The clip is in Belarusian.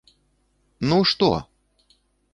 - Ну, што?